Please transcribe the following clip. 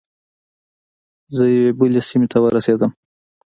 زه یوې بلې سیمې ته ورسیدم.